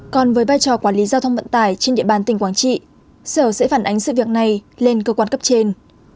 còn với vai trò quản lý giao thông vận tải trên địa bàn tỉnh quảng trị sở sẽ phản ánh sự việc này lên cơ quan cấp trên